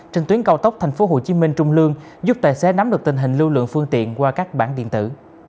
trên tuyến cao tốc tp hcm trung lương giúp tài xế nắm được tình hình lưu lượng phương tiện qua các bảng điện tử